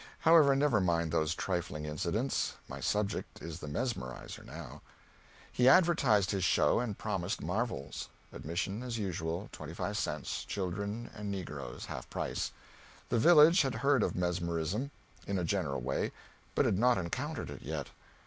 However, never mind those trifling incidents; my subject is the mesmerizer, now. He advertised his show, and promised marvels. Admission as usual: 25 cents, children and negroes half price. The village had heard of mesmerism, in a general way, but had not encountered it yet.